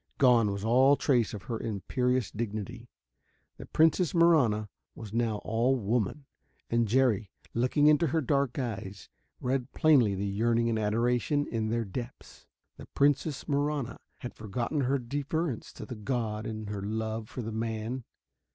Gone was all trace of her imperious dignity. The Princess Marahna was now all woman. And Jerry, looking into her dark eyes, read plainly the yearning and adoration in their depths. The Princess Marahna had forgotten her deference to the god in her love for the man.